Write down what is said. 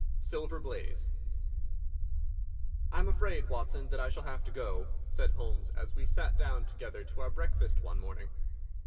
Silver Blaze I am afraid, Watson, that I shall have to go," said Holmes, as we sat down together to our breakfast one morning.